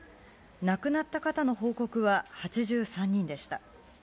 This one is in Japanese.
亡くなった方の報告は８３人でした。